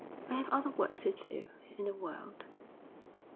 I have other work to do in the world.'